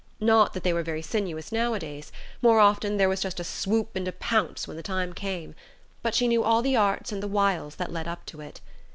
Not that they were very sinuous nowadays: more often there was just a swoop and a pounce when the time came; but she knew all the arts and the wiles that led up to it.